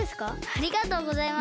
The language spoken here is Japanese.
ありがとうございます。